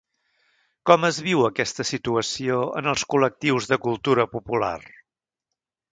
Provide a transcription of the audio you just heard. Com es viu aquesta situació en els col·lectius de cultura popular?